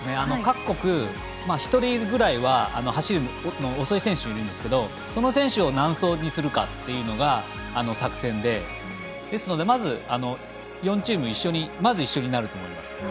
各国１人ぐらいは走るのが遅い選手がいるんですけどその選手を何走にするかっていうのが作戦で、ですので４チームまず一緒になると思います。